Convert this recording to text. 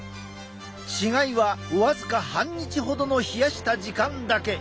違いは僅か半日ほどの冷やした時間だけ。